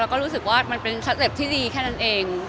แล้วก็รู้สึกว่ามันเป็นสเต็ปที่ดีแค่นั้นเอง